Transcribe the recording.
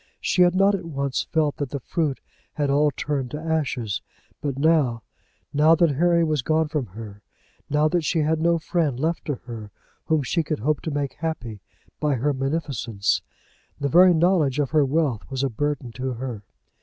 She had not at once felt that the fruit had all turned to ashes. But now, now that Harry was gone from her, now that she had no friend left to her whom she could hope to make happy by her munificence, the very knowledge of her wealth was a burden to her.